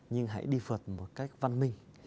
nhưng hãy đi phượt một cách văn minh